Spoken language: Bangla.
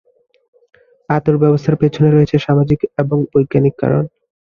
আঁতুড় ব্যবস্থার পিছনে রয়েছে সামাজিক এবং বৈজ্ঞানিক কারণ।